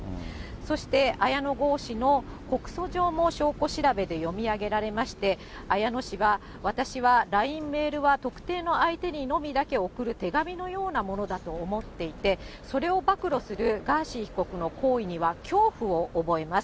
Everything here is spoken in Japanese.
そして、綾野剛氏の告訴状も証拠調べで読み上げられまして、綾野氏が、私はＬＩＮＥ、メールは特定の相手にのみだけ送る手紙のようなものだと思っていて、それを暴露するガーシー被告の行為には恐怖を覚えます。